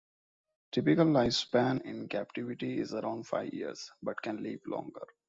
Typical lifespan in captivity is around five years, but can live longer.